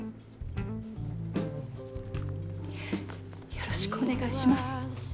よろしくお願いします。